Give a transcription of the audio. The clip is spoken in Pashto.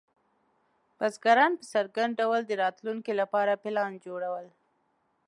بزګران په څرګند ډول د راتلونکي لپاره پلان جوړول.